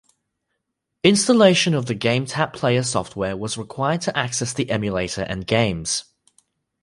Installation of the GameTap Player software was required to access the emulator and games.